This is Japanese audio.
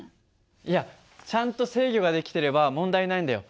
いやちゃんと制御ができてれば問題ないんだよ。